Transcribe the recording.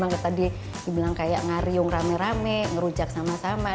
lebih seru kalau memang tadi dibilang kayak ngariung rame rame ngerujak sama sama